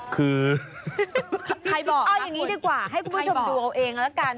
คือใครบอกเอาอย่างนี้ดีกว่าให้คุณผู้ชมดูเอาเองละกัน